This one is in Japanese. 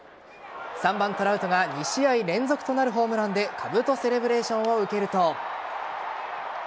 ３番・トラウトが２試合連続となるホームランでかぶとセレブレーションを受けると。